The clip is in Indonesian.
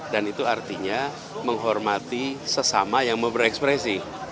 dan itu artinya menghormati sesama yang mau berekspresi